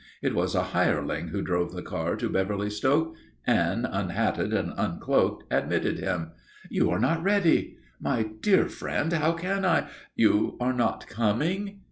It was a hireling who drove the car to Beverly Stoke. Anne, unhatted and uncloaked, admitted him. "You are not ready?" "My dear friend, how can I ?" "You are not coming?"